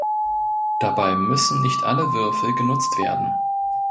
Dabei müssen nicht alle Würfel genutzt werden.